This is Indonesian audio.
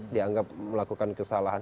dianggap melakukan kesalahan